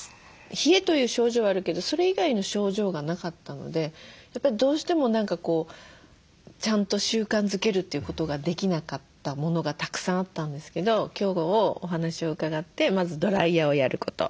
冷えという症状はあるけどそれ以外の症状がなかったのでやっぱりどうしても何かこうちゃんと習慣づけるっていうことができなかったものがたくさんあったんですけど今日お話を伺ってまずドライヤーをやること。